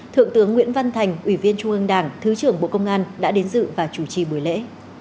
thượng tướng nguyễn văn thành ủy viên trung ương đảng thứ trưởng bộ công an đã đến dự và chủ trì buổi lễ